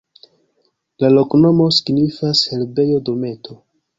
La loknomo signifas: herbejo-dometo.